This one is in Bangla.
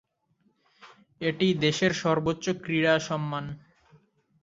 এটি দেশের সর্বোচ্চ ক্রীড়া সম্মান।